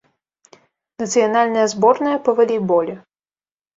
Нацыянальная зборная па валейболе.